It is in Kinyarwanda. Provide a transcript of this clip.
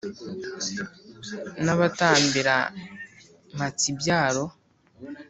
Nabatambira Mpatsibyaro*.